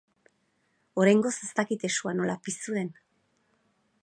Oraingoz ez dakite sua nola piztu den.